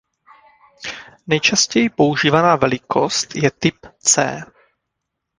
Nejčastěji používaná velikost je typ „C“.